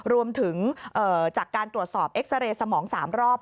รวมถึงจากการตรวจสอบเอ็กซาเรย์สมอง๓รอบ